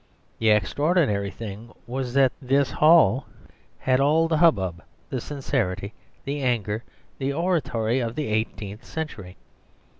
The extraordinary thing was that this hall had all the hubbub, the sincerity, the anger, the oratory of the eighteenth century.